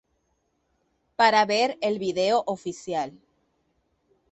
Para Ver El Video Oficial.